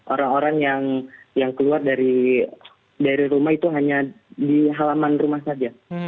orang orang yang keluar dari rumah itu hanya di halaman rumah saja